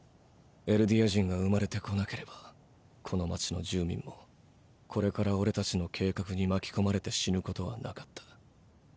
エルディア人が生まれてこなければこの街の住民もこれからオレたちの計画に巻き込まれて死ぬことはなかった。